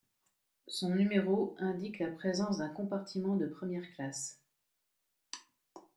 Son numéro indique la présence d'un compartiment de première classe.